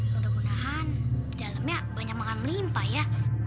mudah mudahan di dalamnya banyak makan melimpah ya